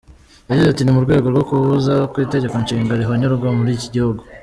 Yagize ati: "Ni mu rwego rwo kubuza ko itegekonshinga rihonyorwa muri iki gihugu.